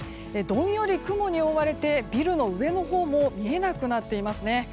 どんより雲に覆われてビルの上のほうも見えなくなっていますね。